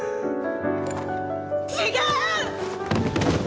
違う！